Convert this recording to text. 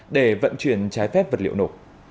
để vận chuyển trái phép vật liệu nổ